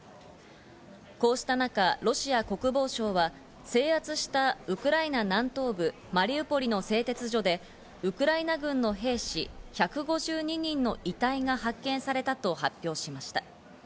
こうした中、ロシア国防省は制圧したウクライナ南東部マリウポリの製鉄所でウクライナ軍の兵士１５２人の遺体が発見されたと発表しました。